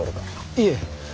いえ。